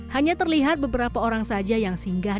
hanya terlihat beberapa orang saja yang singgah